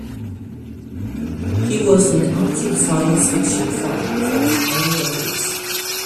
He was an active science fiction fan from an early age.